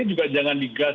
juga jangan digas